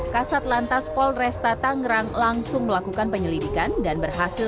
kasat lantas polresta tangerang langsung melakukan penyelidikan dan berhasil